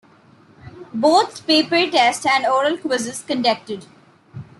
Both paper test and oral quizzes conducted.